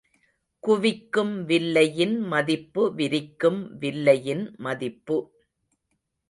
குவிக்கும் வில்லையின் மதிப்பு விரிக்கும் வில்லையின் மதிப்பு.